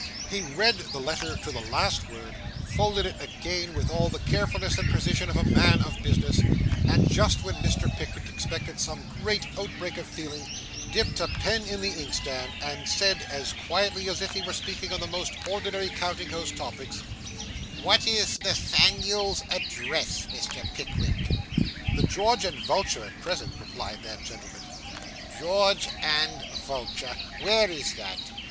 He read the letter to the last word, folded it again with all the carefulness and precision of a man of business, and, just when Mr. Pickwick expected some great outbreak of feeling, dipped a pen in the ink stand, and said, as quietly as if he were speaking on the most ordinary counting house topic 'What is Nathaniel's address, Mr. Pickwick?' 'The George and Vulture, at present,' replied that gentleman. 'George and Vulture. Where is that?